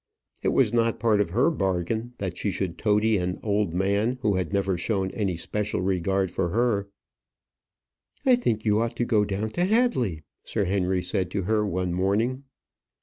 It was not part of her bargain that she should toady an old man who had never shown any special regard for her. "I think you ought to go down to Hadley," Sir Henry said to her one morning.